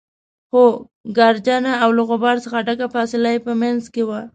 خو ګردجنه او له غبار څخه ډکه فاصله يې په منځ کې وه.